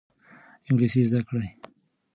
انګلیسي زده کړئ.